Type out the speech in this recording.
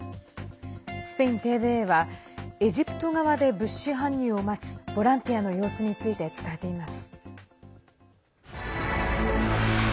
スペインＴＶＥはエジプト側で物資搬入を待つボランティアの様子について伝えています。